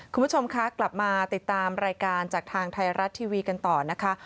คุณผู้ชมคะกลับมาติดตามรายการจากทางไทยรัฐทีวีกันต่อนะคะ